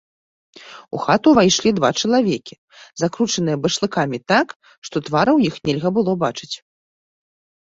У хату ўвайшлі два чалавекі, закручаныя башлыкамі так, што твараў іх нельга было бачыць.